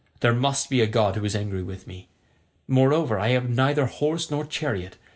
There must be a god who is angry with me. Moreover I have neither horse nor chariot.